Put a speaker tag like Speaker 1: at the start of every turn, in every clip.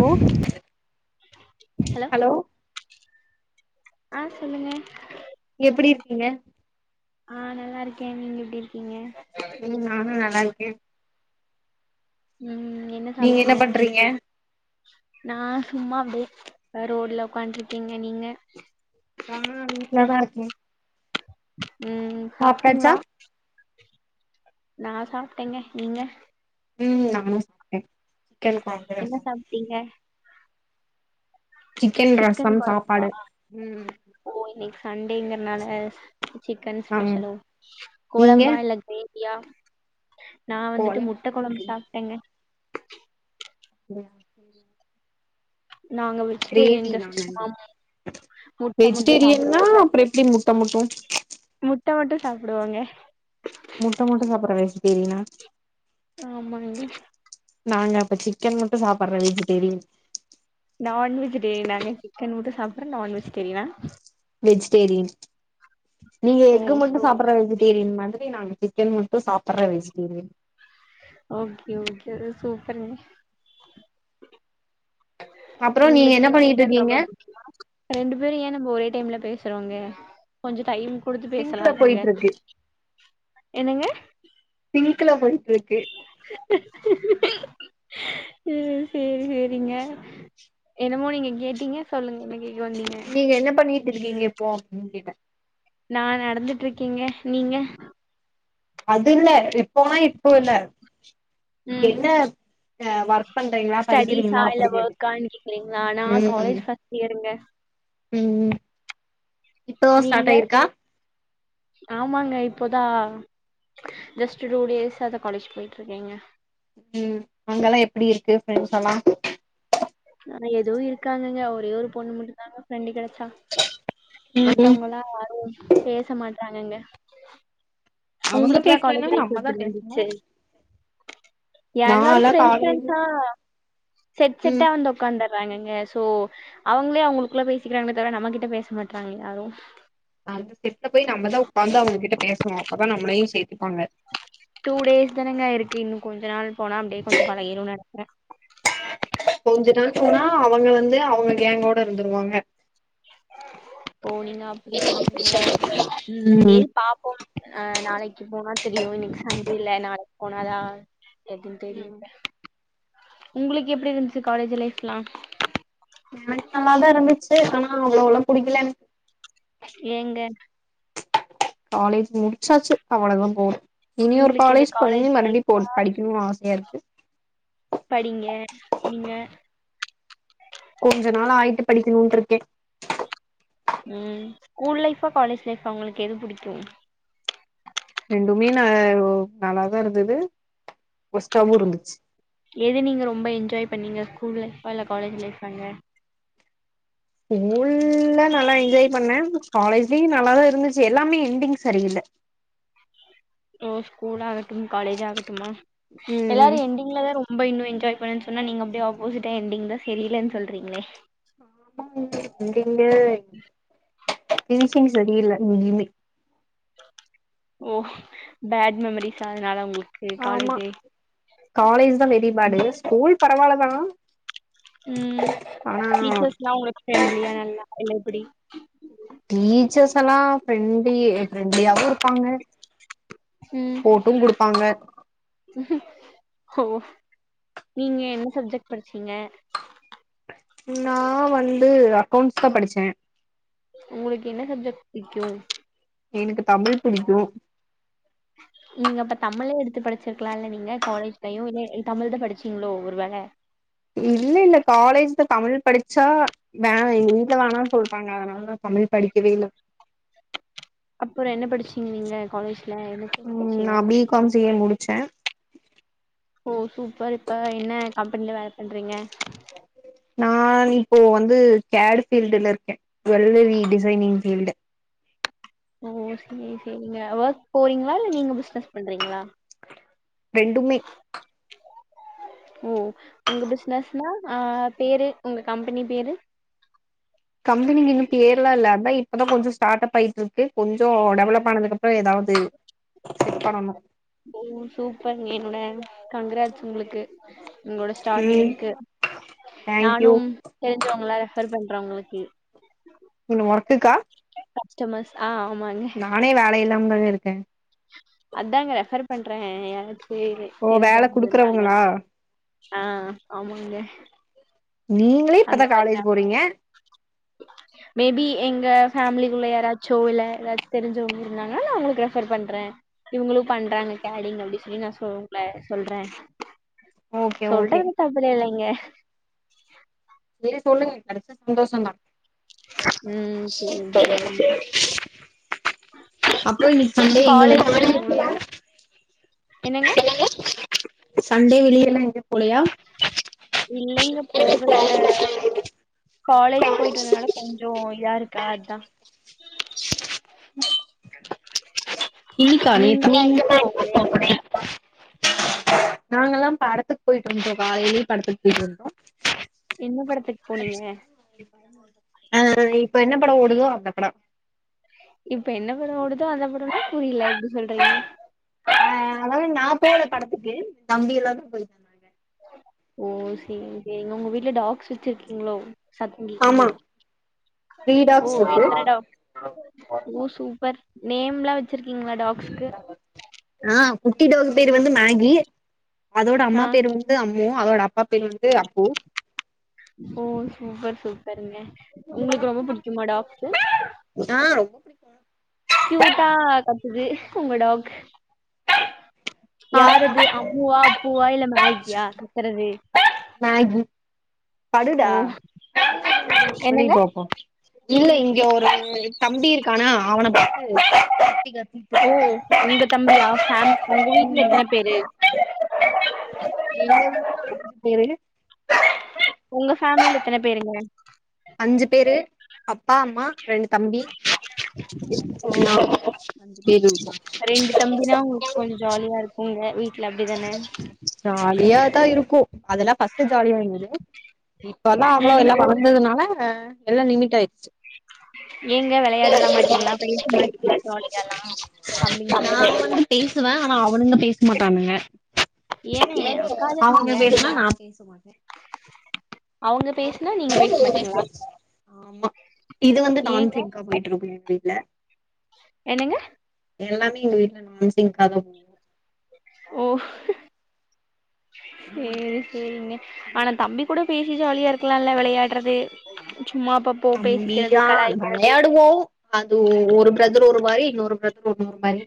Speaker 1: hello hello
Speaker 2: ஆ சொல்லுங்க
Speaker 1: எப்டி இருக்கீங்க
Speaker 2: ஆ நல்லாருக்கே நீங்க எப்டி இருக்கீங்க
Speaker 1: ம் நானு நல்லாருக்கே
Speaker 2: ம் என்ன
Speaker 1: நீங்க
Speaker 2: சாப்ட்டீங்க
Speaker 1: பண்றீங்க
Speaker 2: நா சும்மா அப்டியே ரோட்ல உக்கான்ட்ருக்கே நீங்க
Speaker 1: நா வீட்ல தா இருக்கே
Speaker 2: ம்
Speaker 1: சாப்ட்டாச்சா
Speaker 2: சாப்ட்டீங்ளா நா சாப்ட்டேங்க நீங்க
Speaker 1: ம் நானு [inaudible] [unintelligible]
Speaker 2: என்ன சாப்ட்டீங்க
Speaker 1: சிக்கன் ரசம் சாப்பாடு ம்
Speaker 2: ஓ இன்னைக்கு சண்டேங்கறனால சிக்கன்
Speaker 1: ஆ
Speaker 2: ஸ்பெஷலோ
Speaker 1: நீங்க
Speaker 2: கொழம்பா இல்ல கிரே வியா நா வந்துட்டு
Speaker 1: கோலம்
Speaker 2: முட்ட கொழம்பு சாப்டங்க
Speaker 1: உம் ம்
Speaker 2: நாங்க வெஜிடேரியன்
Speaker 1: கிரேவி [unintelligible]
Speaker 2: ஜஸ்ட் சும்மா
Speaker 1: இங்க
Speaker 2: முட்ட மட்டு
Speaker 1: வெஜிடேரியன்னா
Speaker 2: சாப்டுவோங்க
Speaker 1: அப்ற எப்டி முட்ட முட்டு
Speaker 2: முட்ட மட்டு சாப்புடுவோங்க
Speaker 1: முட்ட மட்டு சாப்பட்ற வெஜிடேரினா
Speaker 2: ஆமாங்க
Speaker 1: நாங்க அப்ப சிக்கன் மட்டு சாப்பற வெஜிடேரியன்
Speaker 2: நான்வெஜிடேரினாங்க சிக்கன் முட்டு சாப்பிற நான் வெஜிடேரியனா
Speaker 1: வெஜிடேரியன் நீங்க
Speaker 2: ஓ
Speaker 1: எக்கு மட்டு
Speaker 2: சூப்பர்
Speaker 1: சாப்பற வெஜி டேரியன் மாத்ரி நாங்க சிக்கன் முட்டு சாப்பற வெஜிடேரியன்
Speaker 2: ஓகே ஓகே ஒரே சூப்பர்ங்க
Speaker 1: அப்றோ நீங்க
Speaker 2: உங்களுக்கு
Speaker 1: என்ன பண்ணிக்கிட்டு
Speaker 2: சிக்கன்
Speaker 1: இருக்கீங்க
Speaker 2: ரொம்ப புடிக்குமா ரெண்டு பேரு ஏ நம்ம ஒரே டைம்ல பேசுறோங்க கொஞ்ச டைம் குடுத்து
Speaker 1: சிங்க்ல
Speaker 2: பேசலால்லேங்க
Speaker 1: போயிட்டு இருக்கு
Speaker 2: என்னங்க
Speaker 1: சிங்க்ல போயிட்ருக்கு
Speaker 2: ஹீஹீஹீ ம் சேரி சேரிங்க என்னமோ நீங்க கேட்டீங்க சொல்லுங்க என்ன கேக்க வந்
Speaker 1: நீங்க என்ன பண்ணிட்டு இருக்கீங்க இப்போ அப்டின் கேட்டே
Speaker 2: நா நடந்துட்ருக்கேங்க நீங்க
Speaker 1: அதில்ல இப்போ இப்ப இல்ல
Speaker 2: ம்
Speaker 1: என்ன அ வொர்க் பண்றீங்ளா
Speaker 2: ஸ்டடிஸா
Speaker 1: படிக்கிறீங்ளா
Speaker 2: இல்ல
Speaker 1: அப்டி கேட்டே
Speaker 2: ஒர்க்கான்னு கேக்குறீங்களா நா
Speaker 1: ம்
Speaker 2: காலேஜ் ஃபர்ஸ்ட் இயருங்க
Speaker 1: ம் இப்போ ஸ்டார்ட்
Speaker 2: நீங்க,
Speaker 1: ஆயிருக்கா
Speaker 2: ஆமாங்க இப்போ தா ஜஸ்ட் டூ டேசாதா காலேஜ் போயிட்ருக்கேங்க
Speaker 1: ம் அங்கல்லா எப்டி இருக்கு ஃப்ரெண்ட்ஸ் எல்லா
Speaker 2: நெறய எதுவு இருக்காங்கங்க ஒரே ஒரு பொண்ணு மட்டுந்தாங்க ஃப்ரெண்டு கெடச்சா
Speaker 1: ம்
Speaker 2: மத்தவங்கல்லா யாரு பேச மாட்டாங்கங்க
Speaker 1: அவங்க
Speaker 2: உங்களுக்கெல்லா
Speaker 1: பேசலன்னா
Speaker 2: காலேஜ் லைஃப்
Speaker 1: நம்மதா
Speaker 2: எப்டி
Speaker 1: பேசணு
Speaker 2: இருந்துச்சு எல்லாரு
Speaker 1: நாலா
Speaker 2: ஃப்ரெண்ட்ஸ்
Speaker 1: காலேஜ்
Speaker 2: ஃப்ரெண்ட்ஸா செட் செட்
Speaker 1: ம்
Speaker 2: வந் ஒக்காந்தர்றாங்கங்க சோ அவங்களே அவங்களுக்குள்ள பேசிக்கிறாங்களே தவுர நம்ம கிட்ட பேச மாட்றாங்க யாரு
Speaker 1: அவங் கிட்ட போயி நம்ம தா உக்காந்து அவங்க கிட்ட பேஸ்ணு அப்தா நம்ளையு சேத்துப்பாங்க
Speaker 2: டூ டேஸ் தானங்க ஆய்ருக்கு இன்னு கொஞ்ச நாள் போனா அப்டியே கொஞ்சோ பழகிரு நெனைக்கிறே
Speaker 1: கொஞ்ச நாள் போனா அவங்க வந்து அவங்க கேங்கோட இருந்துருவாங்க
Speaker 2: ஓ நீங்க அப்டி சொல்றீங்ளா
Speaker 1: ம்
Speaker 2: சேர் பாப் போம் அ நாளைக்கு போனா தெரியு இன்னைக் சண்டேல்ல நாளைக் போனா தா எதுன்
Speaker 1: ம்
Speaker 2: தெரியுங்க உங்களுக் எப்டி இருந்ச்சு காலேஜு லைஃப்லா
Speaker 1: எனக் நல்லா தா இருந்துச்சு ஆனா அவ்ளோல்லா புடிக்கலங்
Speaker 2: ஏங்க
Speaker 1: காலேஜ் முடிச்சாச்சு அவ்வளோ தா போது இனி ஒரு
Speaker 2: உங்களுக்கு எது
Speaker 1: காலேஜ் போயி மறுபடி
Speaker 2: லைஃபா
Speaker 1: போன் படிக்கணு ஆசையா இருக்கு
Speaker 2: படிங்க நீங்க
Speaker 1: கொஞ்ச நாள் ஆயிட்டு படிக்கணுட்ருக்கே
Speaker 2: ம் ஸ்கூல் லைஃபா, காலேஜ் லைஃபா உங்களுக்கு எது புடிக்கு
Speaker 1: ரெண்டுமே நா நல்லா தா இருந்தது ஒஸ்டாவு இருந்துச்சு
Speaker 2: எது நீங்க ரொம்ப என்ஜாய் பண்ணீங்க ஸ்கூல் லைஃபா இல்ல காலேஜ் லைஃபாங்க
Speaker 1: ஸ்கூல்ல நல்லா என்ஜாய் பண்ணே காலேஜ்லயு நல்லா தா இருந்துச்சு எல்லாமே எண்டிங் சரியில்ல
Speaker 2: ஓ ஸ்கூல் ஆகட்டும் காலேஜ் ஆகட்டுமா
Speaker 1: ம்
Speaker 2: எல்லாரு எண்டிங்ல தா ரொம்ப இன்னு என்ஜாய் பண்ணன் சொன்னா நீங்க அப்டியே ஆப்போசிட்டா எண்டிங் தா செரியில்லன் சொல்றீங்ளே
Speaker 1: [inaudible] எண்டிங்ல ஃபினிஷிங் சரியில்ல இங்கியுமே
Speaker 2: ஓ பேட் மெமரிஸா அதுனால உங்ளுக்கு
Speaker 1: ஆமா
Speaker 2: காலேஜே
Speaker 1: காலேஜ் தா பெரிய பாடு ஸ்கூல் பரவால்ல தா
Speaker 2: ம் டீச்சர்ஸ்லா உங்களுக்கு ஃப்ரெண்ட்லியா நல்லா இல்ல எப்டி
Speaker 1: டீச்சர்ஸ் எல்லா ஃப்ரெண்ட் லி அ ப்ரெண்ட்லியாவு இருப்பாங்க
Speaker 2: ம்
Speaker 1: போட்டும் குடுப்பாங்க
Speaker 2: ஓ நீங்க என்ன சப்ஜெக்ட் படிச்சீங்க
Speaker 1: நா வந்து அக்கௌண்ட்ஸ் தா படிச்சே
Speaker 2: உங்களுக் என்ன சப்ஜெக்ட் புடிக்கு
Speaker 1: எனக்கு தமிழ் புடிக்கு
Speaker 2: நீங்க அப்ப தமிழே எடுத்து படிச்சிருக்கலால்ல நீங்க காலேஜ்லயு இல்ல இ தமிழ் தா படிச்சீங்ளோ ஒருவேள
Speaker 1: இல்ல இல்ல காலேஜ்ல தமிழ் படிச்சா வேணா எங் வீட்ல வேணான் சொல்ட்டாங்க அதனால்தா தமிழ் படிக்கவே இல்ல
Speaker 2: அப்பறோ என்ன படிச்சீங்க நீங்க காலேஜ்
Speaker 1: ம் நா பி காம் சி ஏ முடிச்சே
Speaker 2: ஓ சூப்பர் இப்ப என்ன கம்பெனில வேல பண்றீங்க
Speaker 1: நா இப்போ வந்து கேடு ஃபீல்டுலிருக்கே ஜுவல்லரி டிசைனிங் ஃபீல்டு
Speaker 2: ஓ சேரி சேரிங்க ஒர்க் போறீங்ளா இல்ல நீங்க பிஸ்னஸ் பண்றீங்ளா
Speaker 1: ரெண்டுமே
Speaker 2: ம் உங்க ப்ஸ்னஸ் ஆஆ பேரு உங்க கம்பனி பேரு
Speaker 1: கம்பனிக்கு இன்னும் பேர்லாம் ல்ல அபை இப்பதா கொஞ்சோ ஸ்டார்ட் அப் ஆயிட்டு இருக்கு கொஞ்சோ டெவலப் ஆனதுக்கப்றோ ஏதாவது செட் பண்ணனு
Speaker 2: ஓ சூப்பர்ங்கெ என்னோட கங்ராஜ் உங்ளுக்கு உங்ளோட
Speaker 1: ம்
Speaker 2: ஸ்டார்டிங்கு
Speaker 1: தேங்க்யூ
Speaker 2: நானும் தெருஞ்சவங்கள ரெஃபர் பண்றே உங்ளுக்கு
Speaker 1: நீங்க ஒர்க்குகா
Speaker 2: கஸ்டமர்ஸ் ஆ ஆமாங்க
Speaker 1: நானே வேல இல்லாமதா இருக்கே
Speaker 2: அதாங்க ரெஃபர் பண்றே யாராச்சு
Speaker 1: ஓ வேல
Speaker 2: தெரிஞ்சவங்க
Speaker 1: குடுக்குறவங்களா
Speaker 2: இருந்தாங்கன்னா ஆ ஆமாங்க
Speaker 1: நீங்களே
Speaker 2: அந்த
Speaker 1: இப்தான்
Speaker 2: மாரிதா
Speaker 1: காலேஜ் போறீங்க
Speaker 2: மேபி எங்க ஃபேமிலிக்குள்ள யாராச்சோ இல்ல எதா தெரிஞ்சவங்க இருந்தாங்கன்னா நா உங்களுக்கு ரெஃபர் பண்றே இவுங்களும் பண்றாங்க கேடிங் அப்டி சொல்லி நா சொல்லென் சொல்ரே
Speaker 1: ஓகே ஓகே
Speaker 2: சொல்றது அப்டில்லைங்க
Speaker 1: இதே சொல்லுங்க கெடச்சா சந்தோஷந்தா
Speaker 2: ம் சேரி சேரிங்க
Speaker 1: அப்றோ இன்னி க்கு [inaudible] சண்டே எங்க
Speaker 2: காலேஜ்ல
Speaker 1: வர்றீங்க
Speaker 2: என்னங்க
Speaker 1: சன்டே வெளியல்லா எங்கயு போலையா
Speaker 2: இல்லைங்க போகல அ காலேஜ் போய்ட்டு வந்தனால கொஞ்சோ இதா ருக்கா அதான்
Speaker 1: க்க ஆ நீ
Speaker 2: நீங்கல்லா
Speaker 1: இ
Speaker 2: எங்கயு போகலையா
Speaker 1: [inaudible] நாங்கல்லா படதுக்கு போயிட்டுருந்தோகாலைலே படதுக்கு போய்ட்டு வந்தோ
Speaker 2: என்ன படதுக்கு போனீங்க
Speaker 1: ஆ இப்ப என்ன படம் ஓடுதோ அந்த படோ
Speaker 2: இப்ப என்ன படோ ஓடுதோ அந்த படோனா புரில எப்டி சொல்றீங்க
Speaker 1: ஆ அதாவது நா போல படத்துக்கு தம்பி எல்லாதா போயிருக்கு
Speaker 2: ஓ சேரி சேரிங்க உங்க வீட்ல டாக்ஸ் வச்ருக்கீங்களோ சத்தங்கேக்குது
Speaker 1: ஆமா த்ரீ
Speaker 2: ஓ
Speaker 1: டாக்ஸ் இருக்கு
Speaker 2: எத்தன டாக் ஓ சூப்பர் நேம்லா வச்சிருக்கீங்களா டாக்ஸ்க்கு
Speaker 1: ஆ குட்டி டாக் பேரு வந்து மேகி அதோட அம்மா
Speaker 2: ஆ
Speaker 1: பேரு வந் து அம்மு அதோட அப்பா பேரு வந்து அப்பூ
Speaker 2: ஓ சூப்பர் சூப்பருங்க உங்ளுக்கு ரொம்ப புடிக்குமா டாக்சு
Speaker 1: ஆ பிடிக்கு
Speaker 2: கியூட்டா கத்துது உங்க டாக்
Speaker 1: ஆமா
Speaker 2: யாரது அம்முவா அப்பூவா இல்ல மேகியா கத்றது
Speaker 1: மேகி படுடா
Speaker 2: ஓ
Speaker 1: குனி
Speaker 2: என்னங்க
Speaker 1: பாப்போ இல்ல இங்க ஒரு தம்பி இருக்கானா அவன பாத்து கத்தி கத்தி
Speaker 2: ஓ உங்க தம்பியா ஃபேம் உங்க வீட்ல எத்தன பேரு
Speaker 1: அஞ்சு பேரு [unintelligible]
Speaker 2: உங்க ஃபேமிலில எத்தன பேருங்க
Speaker 1: அஞ்சு பேரு அப்பா அம்மா ரெண்டு தம்பி
Speaker 2: ஓ
Speaker 1: நா அஞ்சு பேருதா [inaudible]
Speaker 2: ரெண்டு தம்பினா உங்களுக்கு கொஞ்சோ ஜாலியாருக்கு உங்க வீட்ல அப்டே
Speaker 1: ஜாலியாதா இருக்கு அதெல்லா பஃஸ்ட்டு ஜாலியா இருந்துது இப்பல்லா அவ்ளோ
Speaker 2: ம்
Speaker 1: எல்லா வளந்ததுனால எல்லா லிமிட்டாயிச்சு
Speaker 2: நீங்க வெளயாடலா மாட்டீங்ளா பேச மாட்டீங்ளா ஜாலியால்லா
Speaker 1: நா
Speaker 2: தம்பிங்ளோடு
Speaker 1: வந்து பேசுவே ஆனா அவுனுங்க பேச மாட்டானுங்க
Speaker 2: ஏ
Speaker 1: அவுனுங்க
Speaker 2: உக்காராதீங்க
Speaker 1: பேஸ்னா நா பேச மாட்ட
Speaker 2: அவங்க பேசுனா நீங்க பேச மாட்டீங்களா
Speaker 1: ஆமா இது வந்து நான்
Speaker 2: ஏங்க
Speaker 1: சிங்கா போயிட்ருக்கு எங் வீட்ல
Speaker 2: என்னங்க
Speaker 1: எல்லாமே எங்க வீட்ல நான் சிங்கா தா போவு
Speaker 2: ஓ சே சேரி சேரிங்க ஆனா தம்பி கூட பேசி ஜாலியா இருக்கலால வெளயாட்றது சும்மா அப்ப
Speaker 1: தம்பியா [inaudible] வெளயாடுவோ அது ஓ ஒரு பிரதர் ஒரு மாரி இன்னொரு பிரதர் ஒன்னொரு மாரி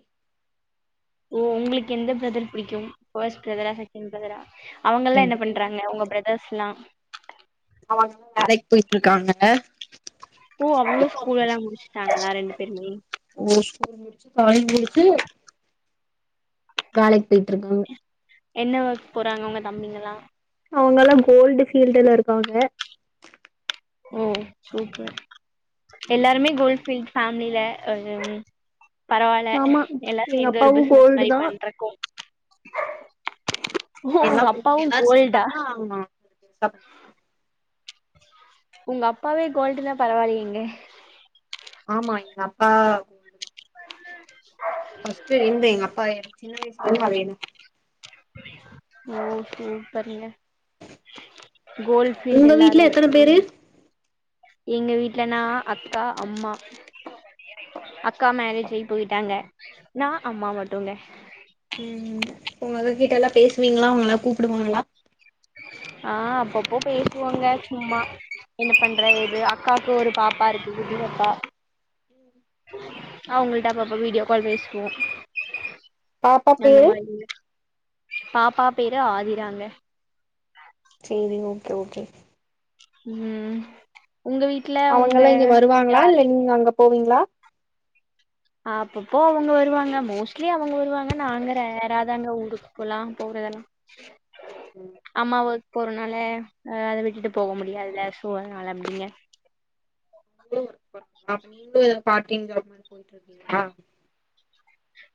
Speaker 2: ஓ உங்குளுக்கு எந்த பிரதர் புடிக்கு ஃபஸ்ட் பிரதரா செகண்ட் பிரதரா அவங்கல்லா என்ன
Speaker 1: ரெண்டு பேருமே
Speaker 2: பண்றாங்க உங்க பிரதர்ஸ்லா
Speaker 1: அவங்க [inaudible] வேலைக்கு போயிட்ருக்காங்க
Speaker 2: ஓ அவ்ங்ளு ஸ்கூல் எல்லா முடிச்சுட்டாங்ளா ரெண்டு பேருமே
Speaker 1: ஸ்கூல் முடிச்சு காலேஜ் முடிச்சு வேலைக்கு பேயிட்ருக்காங்க
Speaker 2: என்ன ஒர்க் போறாங்க ஒங்க தம்பிங்கல்லா
Speaker 1: அவங்கல்லா கோல்டு ஃபீல்டுல இருக்காங்க
Speaker 2: எல்லாருமே கோல் பீல்ட் ஃபேமிலில ஆ [inaudible] பரவால்ல
Speaker 1: ஆமா
Speaker 2: எல்லா
Speaker 1: எங்க
Speaker 2: சேந்து ஒரு
Speaker 1: அப்பாவு
Speaker 2: பிஸ்னஸ்
Speaker 1: கோல்டு
Speaker 2: மாரி
Speaker 1: தான்
Speaker 2: பண்ற கோ ஓ ஒங்க அப்பாவு கோல்டா
Speaker 1: ஆமா
Speaker 2: ஒங்க அப்பாவே கோல்டுனா பரவால்லயேங்க
Speaker 1: ஆமா எங்க அப்பா
Speaker 2: [inaudible]
Speaker 1: ஃபஸ்ட் இருந்த எங்க அப்பா சின்ன வய்ஸ்லேருந்து அதே தா
Speaker 2: ஓ ஹோ சரிங்க கோல்ஃபீல்டு
Speaker 1: உங்க
Speaker 2: எல்லாரு
Speaker 1: வீட்ல எத்தன பேரு
Speaker 2: எங்க வீட்ல நா அக்கா அம்மா அக்கா மேரேஜ் ஆயி போயிட்டாங்க நா அம்மா மட்டுங்க
Speaker 1: ம் உங்க அக்கா கிட்டலா பேசுவீங்ளா உங்களலா கூப்டுவாங்ளா
Speaker 2: ஆ அப்பப்போ பேசுவோங்க சும்மா என்ன பண்றங்குது அக்காக்கு ஒரு பாப்பா இருக்கு குட்டிபாப்பா அவ்ங்கள்ட்ட அப்ப அப்ப வீடியோ கால் பேசுவோ
Speaker 1: பாப்பா
Speaker 2: அந்த
Speaker 1: பேரு
Speaker 2: மாரி பாப்பா பேரு ஆதிராங்க
Speaker 1: சேரி ஓகே ஓகே
Speaker 2: ம் உங்க வீட்
Speaker 1: அவங்கலா இங்க வருவாங்களா இல்ல நீங்க அங்க போவீங்களா
Speaker 2: அப்பப்போ அவுங்க வருவாங்க மோஸ்ட்லி அவுங்க வருவாங்க நாங்க ரேராதாங்க ஊருக்கு போலா போறதெல்லா அம்மா ஒர்க் போறனால ஆ அத விட்டுட்டு போக முடியாதுல சோ அதனால அப்டிங்க
Speaker 1: [inaudible] அப்ப நீங்களு பார்ட் டைம் ஜாப் மாரி போயிட்ருக்கீங்ளா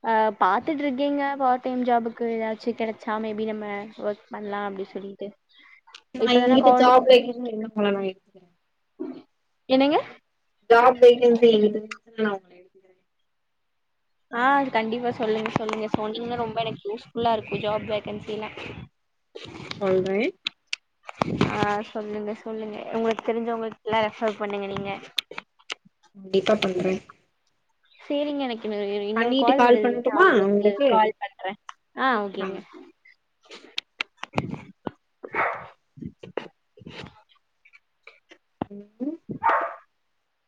Speaker 2: ஆ பாத்துட்டுருக்கீங்க பார்ட் டைம் ஜாபுக்கு ஏதாச்சு கடைச்சா மேபி நம்ம வெக் பண்ணலாம் அப்டி சொல்லிட்டு
Speaker 1: நான்
Speaker 2: இப்பதான
Speaker 1: எங்கிட்ட
Speaker 2: காலேஜ்
Speaker 1: ஜாப்
Speaker 2: போய்
Speaker 1: வைக்கன்னு [unintelligible]
Speaker 2: என்னங்க
Speaker 1: ஜாப் வேகன்சி [unintelligible]
Speaker 2: ஆ கண்டிப்பா சொல்லுங்க சொல்லுங்க சொன்னீங்னா ரொம்ப எனக்கு யூஸ்ஃபுல்லா இருக்கும் ஜாப் வேகன்சினா
Speaker 1: சொல்றே
Speaker 2: ஆ சொல்லுங்க சொல்லுங்க உங்களுக்கு தெரிஞ்சவங்களுக்கெல்லா ரெஃபர் பண்ணுங்க நீங்க
Speaker 1: டிப்பா பண்றே
Speaker 2: சரிங்க எனக்கு இன்னொ இன்னொரு கால் வருதுல் ந உங்களுக்கு கால் பண்றேன் ஆ ஓகேங்க
Speaker 1: [inaudible]
Speaker 2: [inaudible]